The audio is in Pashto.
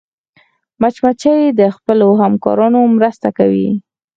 مچمچۍ د خپلو همکارانو مرسته کوي